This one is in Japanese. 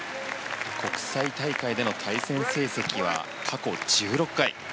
国際大会での対戦成績は過去１６回。